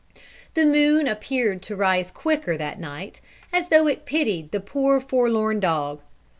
The moon appeared to rise quicker that night, as though it pitied the poor forlorn dog.